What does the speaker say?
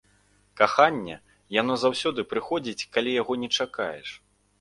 Каханне, яно заўсёды прыходзіць, калі яго не чакаеш.